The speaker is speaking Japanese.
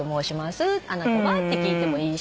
あなたは？って聞いてもいいし。